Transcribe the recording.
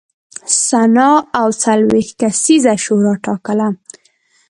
سنا او څلوېښت کسیزه شورا ټاکله